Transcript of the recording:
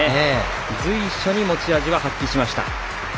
随所に持ち味を発揮しました。